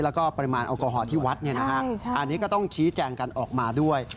แล้วก็ปริมาณแอลกอฮอลที่วัดอันนี้ก็ต้องชี้แจงกันออกมาด้วย